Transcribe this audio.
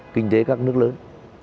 kinh tế các nước lớn